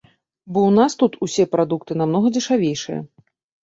Бо ў нас тут усе прадукты намнога дзешавейшыя.